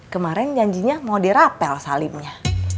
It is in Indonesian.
kemarin janjinya mau dirapel salimnya